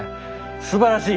すばらしい！